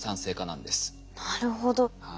なるほど。